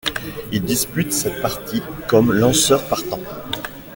Il dispute cette partie comme lanceur partant.